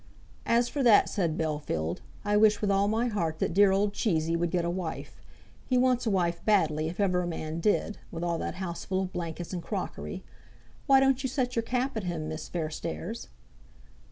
"As for that," said Bellfield, "I wish with all my heart that dear old Cheesy would get a wife. He wants a wife badly, if ever a man did, with all that house full of blankets and crockery. Why don't you set your cap at him, Miss Fairstairs?"